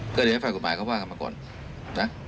ก็เดี๋ยวให้ฝ่ายกฎหมายเขาว่ากันมาก่อนนะ